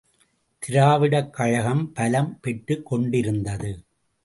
திராவிடக் கழகம் பலம் பெற்று கொண்டிருந்தது.